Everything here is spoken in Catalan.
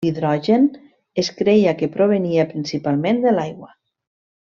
L'hidrogen es creia que provenia principalment de l'aigua.